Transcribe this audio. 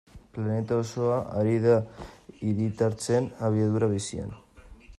Planeta osoa ari da hiritartzen abiadura bizian.